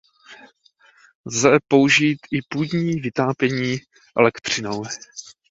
Lze použít i půdní vytápění elektřinou.